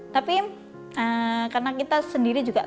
tapi karena kita sendiri juga